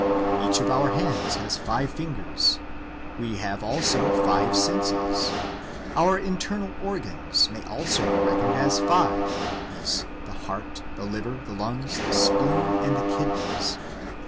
Each of our hands has five fingers ; we have also five senses ; our internal organs may also be reckoned as five, viz. the heart, the liver, the lungs, the spleen, and the kidneys.